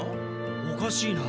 おかしいな。